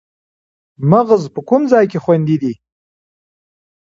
مغز په کوم ځای کې خوندي دی